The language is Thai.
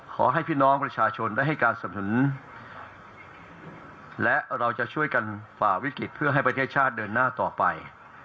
ขอให้พี่น้องประชาชนได้ให้การสนุนและเราจะช่วยกันฝ่าวิกฤตเพื่อให้ประเทศชาติเดินหน้าต่อไป